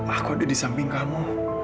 aku ada di samping kamu